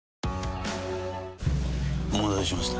お待たせしました。